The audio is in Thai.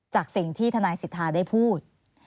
จากสิ่งที่ทนายสิทธาได้พูด